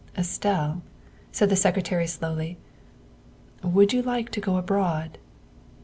" Estelle," said the Secretary slowly, " would you like to go abroad?"